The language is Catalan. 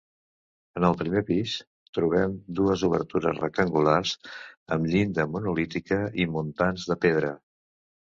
En el primer pis trobem dues obertures rectangulars amb llinda monolítica i muntants de pedra.